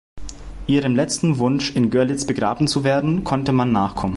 Ihrem letzten Wunsch, in Görlitz begraben zu werden, konnte man nachkommen.